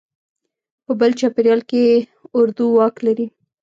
په بل چاپېریال کې اردو واک لري.